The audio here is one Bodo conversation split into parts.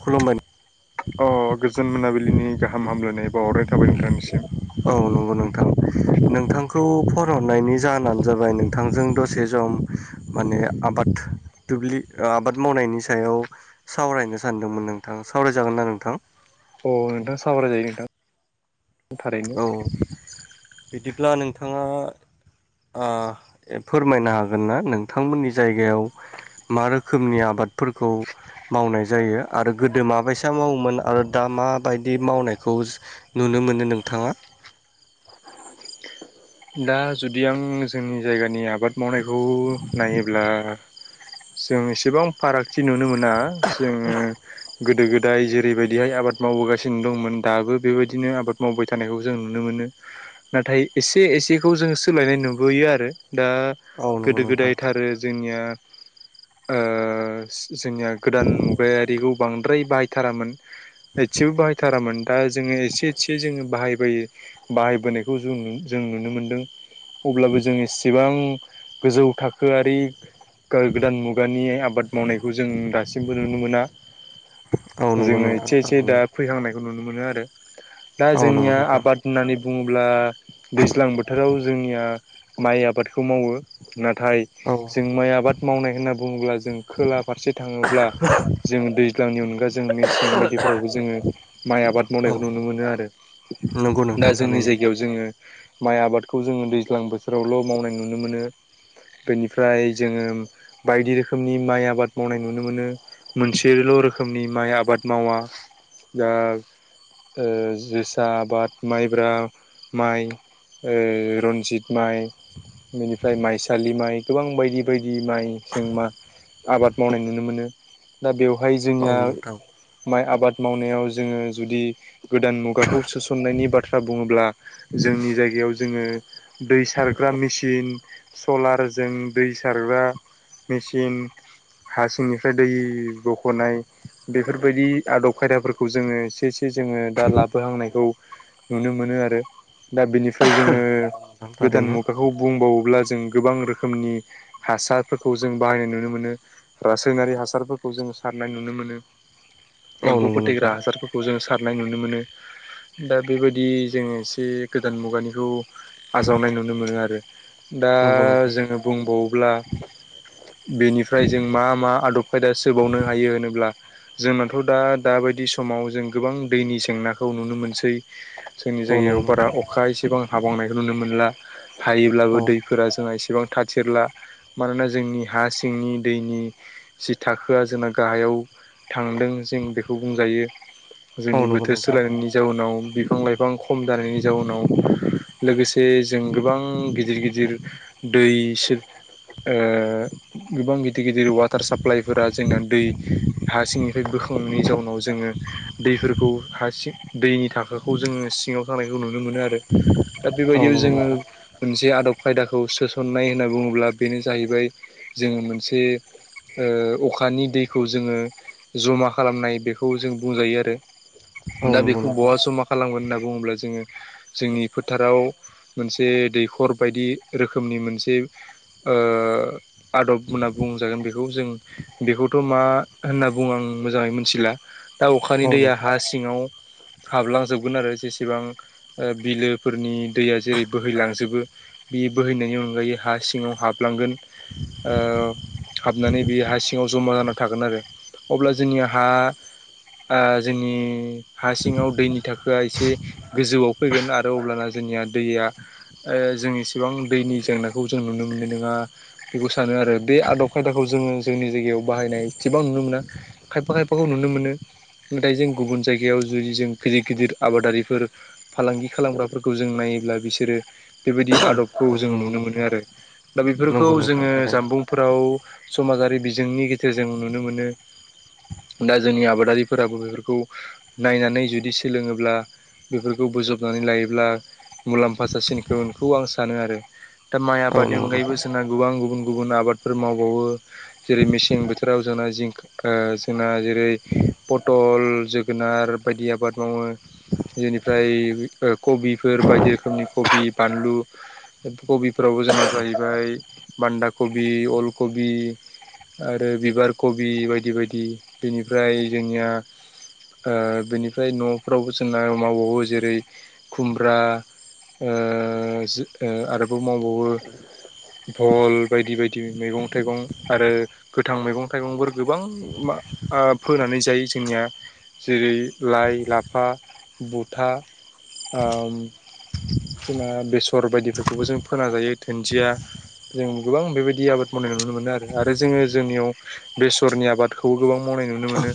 खुलुमबाय अ गोजोन मोनाबिलिनि गाहाम हामलायनाय बााहरनाय थाबाय नोंथांनिसिम औ नोंगौ नोंथां नोंथांखौ फन हरनायनि जाहोनानो जाबाय नोंथांजों दसे ज हम माने आबाद दुब्लि आबाद मावनायनि सायाव सावरायनो सान होनदोंमोन नोंथां सावरायजागोन ना नोंथां? अ नोंथां सावरायजायो नोंथां। थारैनो औ बिदिब्ला नोंथाङा आ फोरमायनो हागोन ना नोंथांमोननि जायगायाव मा रोखोमनि आबादफोरखौ मावनाय जायो आरो गोदो माबायसा मावोमोन आरो दा माबायदि मावनायखौ नुन नो मोनो नोंथाङा। दा जुदि आं जोंनि जायगानि आबाद मावनायखौ नायोब्ला जों इसिबां फारागथि नुनो मोना जोङो गोदो गोदाय जेरैबायदिहाय आबाद मावबोगासिनो दं मोन दाबो बे बायदिनो आबाद मावनायखौ जों नुनो मोनो नाथाय एस ए एसेखौ जों सोलायनाय नुबोयो आरो दा औ नंगौ गोदो नोंथां गोदायथारो जोंनिया ओ जोंनिया गोदान मुगायारिखौ बांद्राय बाहायथारामोन एच्सेबो बाहायथारामोन। दा जोङो एसे एसे जोङो बाहायबोयो बाहायबोनायखौ जों जों नुनो मोनदों। अब्लाबो जों एससेबां गोजौ थाखो आरि [unintelligible] गोदान मुगानि आबाद मावनायखौ जों दासिमबो नुनो मोना औ नंगौ जोङो नोंथां इच्से इच्से दा थारैनो फैहांनाय नुनो मोनो आरो दा औ नंगौ जोंनिया नोंथां आबाद होननानै बुङोब्ला दैज्लां बोथोराव जोंनिया माइ आबादखौ मावो। नाथाय औ जों माइ आबाद मावनाय होनना बुङोब्ला जों खोला फारसे थाङोब्ला जों दैज्लांनि अनगा जों मेसें बायदिफोरावबो जोङो माइ आबाद औ मावनायखौ नुनो मोनो आरो [unintelligible] दा जोंनि थारैनो जायगायाव जोङो माइ आबादखौ जोङो दैज्लां बोथोरावल' मावनाय नुनो मोनो बेनिफ्राय जोङो बायदि रोखोमनि माइ आबाद मावनाय नुनो मोनो मोनसेल' बो रोखोमनि माइ आबाद मावा दा ओ जोसा आबाद माइब्रा माइ ओ रन्जिथ माइ बेनिफ्राय माइसालि माइ गोबां बायदि बायदि माइ जों मा आबाद मावनाय नुनो मोनो दा बेवहाय औ जोंनिया नोंथां माइ आबाद मावनायाव जोङो जुदि गोदान मुगाखौ सोसननायनि बाथ्रा बुङोब्ला जोंनि जायगायाव जोङो दै सारग्रा मिसिन सलारजों दै सारग्रा मिसिन हा सिंनिफ्राय दै बख'नाय बेफोरबायदि आदब खायदाफोरखौ जोङो इसे इसे जोङो दा लाबोहांनायखौ नुनो मोनो आरो दा बिनि फ्राय जोङो नोंथां गोदान थारैनो मुगाखौ बुंबावोब्ला जों गोबां रोखोमनि हासारफोरखौ जों बाहायनाय नुनो मोनो। ओ रासायनारि हासारफोरखौ जों सारनाय नुनो मोनो। औ एम्फौ नंगौ फोथैग्रा नोंथां हासारफोरखौ जों सार नाय नुनो मोनो। दा बेबायदि जोङो एसे गोदान मुगानिखौ आजावनाय नुनो मोनो आरो। दा नंगौ नोंथां जोङो बुंबावोब्ला बेनिफ्राय जों मा मा आदब खायदा सोबावनो हायो होनोब्ला जोंनाथ' दा दाबायदि समाव जों गोबां दैनि जेंनाखौ नुनो मोनसै। जोंनि औ जायगायाव नंगौ बारा नोंथां अ एसेबां हाबावनायखौ नुनो मोनला। हायोब्लाबो औ दैफोरा जोंहा एसे सेबां थाथिरला। मानोना जोंनि हा सिंनि दैनि जि थाखोआ जोंना गाहायाव थांदों जों बेखौ बुंजायो। औ जोंनि नंगौ बोथोर नोंथां सोलायनायनि जाउनाव बिफां लाइफां खम जानायनि जाउनाव लोगोसे जों गोबां गिदिर गिदिर दै सोर ओ गोबां गिदिर गिदिर वाटार साप्लाइफोरा जोंना दै हा सिंनिफ्राय बो खुंनि जाउनाव जोङो दैफोरखौ हासिं दैनि थाखोखौ जोङो सिङाव थानाय नुनो मोनो आरो। दा औ बेबायदियाव नंगौ जोङो नोंथां मोनसे आदब खायदाखौ सोसननाय होनना बुङोब्ला बेनो जाहैबाय जोङो मोनसे ओ अखानि दैखौ जोङो जमा खालामनाय बेखौ जों बुंजायो आरो। औ दा नंगौ बेखौ नोंथां बहा जमा खालामगोन होनना बुङोब्ला जोङो जोंनि फोथाराव मोनसे दैखर बायदि रोखोमनि मोनसे ओ आदब होनना बुंजागोन बे खौ जों। बेखौथ' मा होनना बुङो आं मोजाङै मोनथिला। दा औ अखानि दैया नोंथां हा सिङाव हाबलांजोबगोन आरो जेसेबां ओ बिलोफोरनि दैया जेरै बोहैलांजोबो बि बोहैनायनि अनगायै हा सिङाव हाबलांगोन। ओ हाबनानै बेयो हा सिङाव जमा जाना थागोन आरो। अब्ला जोंनि हा आ जोंनि हा सिङाव दैनि थाखोआ एसे गोजौआव फैगोन आरो अब्लाना जोंनिया दैया ओ जों इसेबां दैनि जेंनाखौ जों नुनो मोननाय नङा बेखौ सानो आरो बे आदब खायदाखौ जोङो जोंनि जायगायाव बाहायनाय एसेबां नुनो मोना, खायफा खायफाखौ नुनो मोनो। नाथाय जों गुबुन जायगायाव जुदि जों गिदिर गिदिर आबादारिफोर फालांगि खालामग्राफोरखौ जों नायोब्ला बिसोरो बेबायदि आदबखौ औ जों नंगौ नुनो मोनो नोंथां आरो। दा बेफोरखौ नंगौ नोंथां जोङो थारैनो जामबुंफोराव समाजारि बि जोंनि गेजेरजों नुनो मोनो। दा जोंनि आबादारिफोराबो बेफोरखौ नायनानै जुदि सोलोङोब्ला बेफोरखौ बोजबनानै लायोब्ला मुलाम्फा जासिनगोनखौ आं सानो आरो। दा माइ औ आबादनि नंगौ अनगायैबो नोंथां सोनां गोबां गुबुन गुबुन आबादफोर मावबावो। जेरै मेसें बोथोराव जोंना जिं ओ जोंना जेरै पथल जोगोनार बायदि आबाद मावो। बेनिफ्राय ओ कबिफोर बायदि रोखोमनि कबि बानलु कबिफ्रावबो जोंना जाहैबाय बान्दा कबि अल कबि आरो बिबार कबि बायदि बायदि बेनिफ्राय जोंनिया ओ बेनिफ्राय नफ्रावबो जोंना मावबावो जेरै खुमब्रा ओ जो ओ आरोबाव मावबावो भल बायदि बायदि मैगं थाइगं आरो गोथां मैगं थाइगंफोर गोबां मा ओ फोनानै जायो जोंनिया जेरै लाइ लाफा बुथा ओम जोंना बेसर बायदिफोरखौबो जों फोना जायो दुन्जिया जों गोबां बेबायदि आबाद मावनाय नुनो मोनो आरो। आरो जोङो जोंनियाव बेसरनि आबादखौबो गोबां मावनाय नुनो मोनो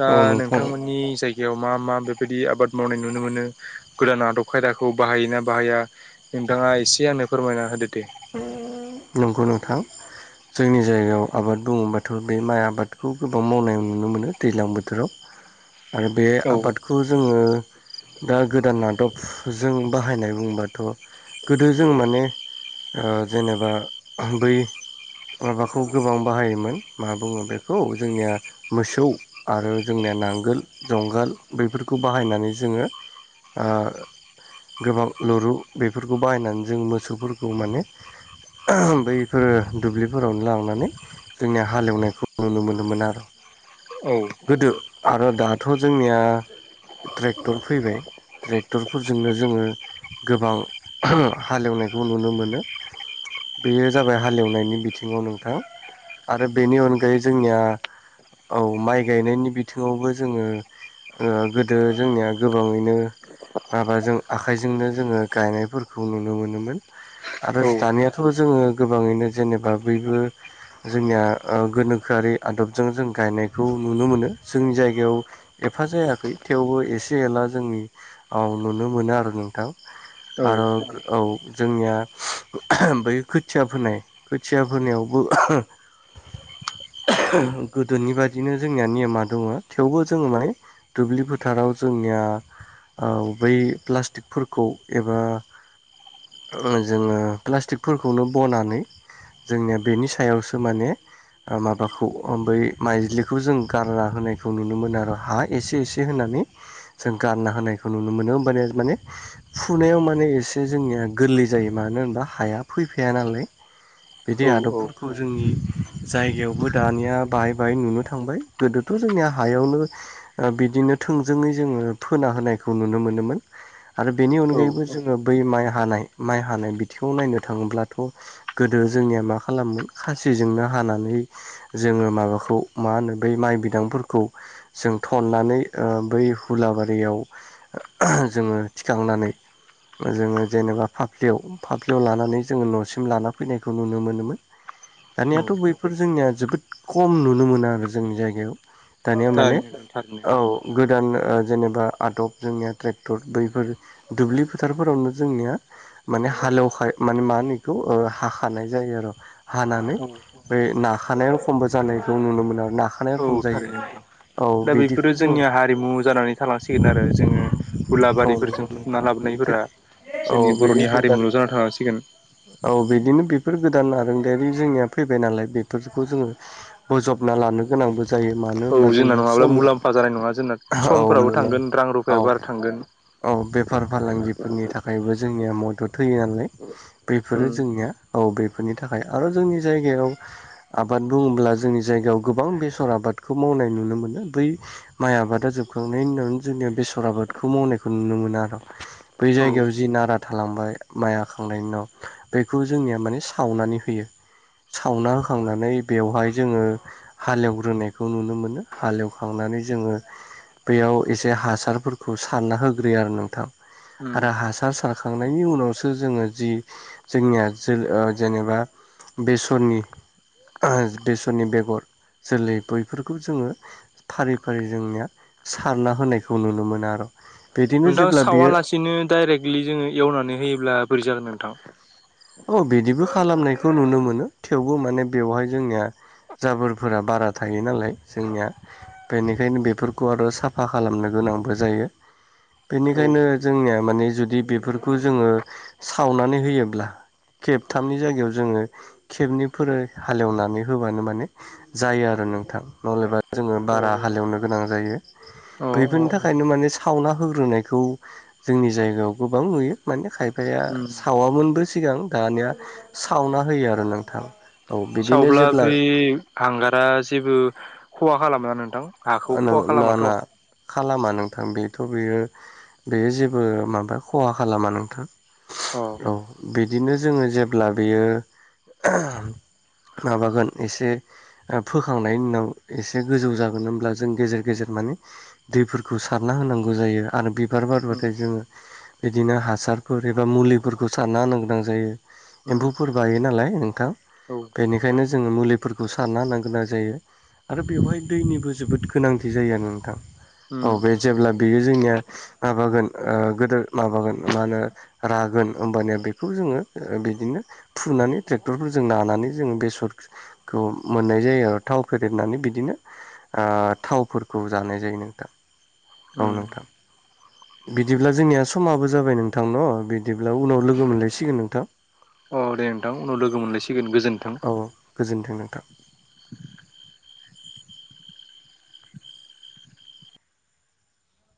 दा औ नोंथां नोंथांमोननि जायगायाव मा मा बेफोरबाय दि आबाद मावनाय नुनो मोनो गोदान आदब खायदाखौ बाहायोना बाहाया नोंथाङा एसे आंनो फोरमायना होदो दे। नोंगौ नोंथां जोंनि जायगायाव आबाद बुङोबाथ' बे माइ आबादखौ गोबां मावनाय नुनो मोनो दैलां बोथोराव [inaudible] आरो बे औ आबादखौ जोङो दा गोदान आदब जों बाहायनाय बुंबाथ' गोदो जों माने ओ जेनेबा बै माबाखौ गोबां बाहायोमोन मा बुङो बेखौ जोंनिया मोसौ आरो जोंनिया नांगोल जुंगाल बेफोरखौ बाहायनानै जोङो आ गोबां लुरु बेफोरखौ बाहायनानै जों मोसौफोरखौ माने बैफोरो दुब्लिफोरावनो लांनानै जोंनिया हालेवनायखौ नुनो मोनोमोन आरो। औ गोदो, आरो दाथ' जोंनिया ट्रेक्टर फैबाय ट्रेक्टरफोरजोंनो जोङो गोबां हालेवनायखौ नुनो मोनो। बेयो जाबाय हालेवनायनि बिथिङाव नोंथां आरो बेनि अनगायै जोंनिया औ माइ गायनायनि बिथिङावबो जोङो ओ गोदो जोंनिया गोबाङैनो माबाजों आखाइजोंनो जोङो गायनायफोरखौ नुनो मोनोमोन आरो औ दानिया जोङो गोबाङैनो जेनेबा बैबो जोंनिया ओ गोनोखोआरि आदबजों जों गा नायखौ नुनो मोनो। जोंनि जायगायाव एफा जायाखै थेवबो एसे एला जोंनि औ नुनो मोनो आरो नोंथां, आरो औ जोंनिया ओमफ्राय खोथिया फोनाय, खोथिया फोनायावबो [inaudible] गोदोनि बायदिनो जोंनिया नेय'मा दङ' थेवबो जोङो माने दुब्लि फोथाराव जों निया ओ बै प्लाष्टिकफोरखौ एबा जोङो प्लास्टिकफोरखौनो बनानै जोंनिया बेनि सायावसो माने ओ माबाखौ ओ बै माइज्लिखौ जों गारना होनायखौ नुनो मोनो आरो हा एसे एसे होना नै जों गारना होनायखौ नुनो मोनो होमबानिया माने फुनायाव माने एसे जोंनिया गोर लै जायो, मानो होनबा हाया फैफाया नालाय बिदि औ आदबफोरखौ जोंनि जायगायावबो दानिया बाहाय बाहाय नुनो थांबाय गोदोथ' जोंनिया हायावनो ओ बि दिनो थोंजोङै जोङो फोना होनायखौ नुनो मोनोमोन आरो बेनि औ अनगायैबो जोङो बै माइ हानाय माइ हानाय बि थिङाव नायनो थाङोब्लाथ' गोदो जोंनिया मा खालामोमोन खासिजोंनो हानानै जोङो माबाखौ मा होनो बै माइ बिदांफोरखौ जों थननानै ओ बै हुलाबारि दयाव जोङो थिखांनानै जोङो जेनेबा फाफ्लियाव फाफ्लियाव लानानै जोङो न'सिम लाना फैनायखौ नुनो मोनोमोन। औ दानियाथ' बैफोर जोंनिया जोबोद खम नुनो मोना आरो जोंनि जायगायाव दानिया माने थारैनो नोंथां औ थारैनो गोदान ओ जेनेबा आदब जोंनिया ट्रेक्टर बैफोर दुब्लि फोथारफोरावनो जोंनिया माने हालेवखाय माने मा होनो इखौ ओ हाखानाय जायो आरो, हानानै औ ओमफाय नाखानायाव एखमबा जानायखौ नुनो मोनो आरो नाखानायाव औ थारैनो नोंथां। दा बेफोरो जोङो जोंनिया हारिमु जानानै थालांसिगोन आरो जोङो औ हुलाबारिफोरजों नंगौ थुना लाबोनाय नोंथां फोरा जोंनि बर'नि हारिमु औ बिदिनो बिदिनो बे बफोर गोदान आरोंदायारि जोंनिया फैबाय नालाय बेफोरखौ जोङो बोजबना लानो गोनांबो जायो मानो औ होनबा जोंना जोंनिया नङाब्ला समनि मुलाम्फा जानाय नङा जोंना औ समफोराबो मुला थांगोन रां औ रुफायाबो आरो थांगोन औ बे बेफार फालांगिफोरनि थाखायबो जोंनिया मदद होयो नालाय उम बेफोरो जोंनिया औ बेफोरनि थाखाय आरो जोंनि जायगायाव आबाद बुङोब्ला जोंनि जायगायाव गोबां बेसर आबाद खौ मावनाय नुनो मोनो बै माइ आबादा जोबखांनायनि उनावनो जोंनिया बेसर आबादखौ मावनायखौ नुनो मोनो आरो बै औ जायगायाव जि नारा थालांबाय माइ हाखांनायनि उनाव बेखौ जोंनिया माने सावनानै होयो सावना होखांनानै बेवहाय जोङो हालेवग्रोनायखौ नुनो मोनो हालेवखांना नानै जोङो बेयाव एसे हासारफोरखौ सारना होग्रोयो आरो नोंथां। उम आरो हासार सारखांनायनि उनावसो जोङो जि जोंनिया जो ओ जेनेबा बेसरनि बेसरनि बेगर जोलै बैफोरखौ जोङो फारि फारि जोंनिया सारना होनायखौ नुनो मोनो आरो। बिदिनो नोंथां जेब्ला बियो सावालासिनो डाइरेक्टलि जोङो एवनानै होयोब्ला बोरै जागोन नोंथां। औ बिदिबो खालामनायखौ नुनो मोनो थेवबो माने बेवहाय जोंनिया जाबोरफोरा बारा थायो नालाय जोंनिया बेनिखायनो बेफोरखौ आरो साफा खालामनो गोन नांबो जायो। औ बेनिखायनो जोंनिया माने जुदि बेफोरखौ जोङो सावनानै होयोब्ला खेबथामनि जायगायाव जोङो खेबनैफोर हालेवनानै होबानो माने जायो आर आरो नोंथां नहलेबा जोङो औ बारा हालेवनो गोनां जायो। अ अ बैफोरनि थाखायनो माने सावना होग्रोनायखौ जोंनि जायगायाव गोबां नुयो माने खायफाया। ओ उम सावामोनबो सिगां दानिया सावना होयो आरो नोंथां। औ बिदिनो सावब्ला जेब्ला बै हांगारा जेबो खहा खालामा नोंथां। हाखौ ना खहा खालामाथ। ना खालामा नोंथां बेथ' बेयो बेयो जेबो माबा खहा खालामा नोंथां। अ औ बिदिनो जोङो जेब्ला बियो माबागोन एसे फोखांनायनि उनाव एसे गोजौ जागोन होन ब्ला जों गेजेर गेजेर माने दैफोरखौ सारना होनांगौ जायो आरो बिबार उम बारबाथाय जों बिदिनो हासारफोर एबा मुलिफोरखौ सारना होनो गोनां जायो। उम एम्फौफोर बायो नालाय नोंथां। औ बेनिखायनो जोङो मुलिफोरखौ सारना होनो गोनां जायो आरो बेवहाय दैनिबो जोबोद गोनांथि जायो आरो नोंथां। औ उम बे जेब्ला बेयो जोंनिया माबागोन ओ गोदो माबागोन मा होनो रा गोन होमबानिया बेखौ जोङो बिदिनो फुनानै ट्रेक्टरफोरजों नानानै जोङो बेसर खौ मोननाय जायो आरो थाव फेदेरनानै बिदिनो ओ थावफोरखौ जानाय जायो नोंथां औ उम नोंथां। बिदिब्ला जोंनिया समाबो जाबाय नोंथां न' बिदिब्ला उनाव लोगो मोनलायसिगोन नोंथां। अ दे नोंथां उनाव लोगो मोनलायसिगोन गोजोन्थों। औ गोजोन्थों नोंथां